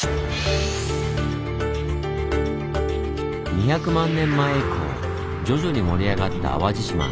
２００万年前以降徐々に盛り上がった淡路島。